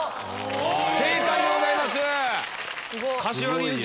正解でございます。